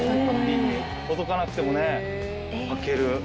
ほどかなくても履ける。